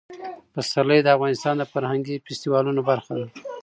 پسرلی د افغانستان د فرهنګي فستیوالونو برخه ده.